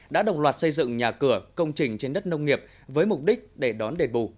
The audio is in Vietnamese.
đã đồng loạt xây dựng nhà cửa công trình trên đất nông nghiệp với mục đích để đón đề bù